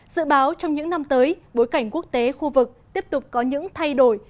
dự báo trong những năm tới bối cảnh quốc tế khu vực tiếp tục có những thay đổi